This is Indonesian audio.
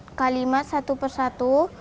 membuat kalimat satu persatu